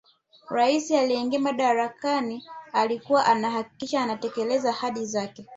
rais aliyeingia madarakani alikuwa anahakikisha anatekeleza ahadi zake